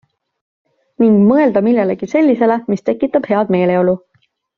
Ning mõelda millelegi sellisele, mis tekitab head meeleolu.